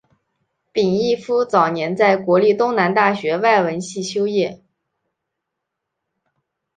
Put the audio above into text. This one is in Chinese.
芮逸夫早年在国立东南大学外文系修业。